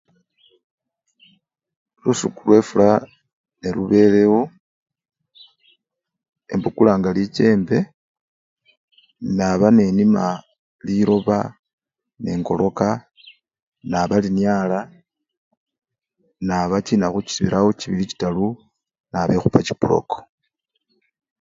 Lusuku lwefula nalubelewo, embukulanga lichembe naba nenima liloba nengoloka naba linyala naba chinakhu chibirawo chibili chitaru naba ekhupa chipuloko.